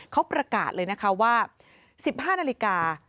เขาประกาศเลยนะคะว่า๑๕นาฬิกา